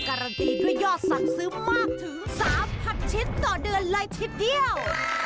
การันตีด้วยยอดสั่งซื้อมากถึง๓๐๐ชิ้นต่อเดือนเลยทีเดียว